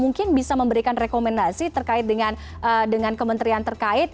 mungkin bisa memberikan rekomendasi terkait dengan kementerian terkait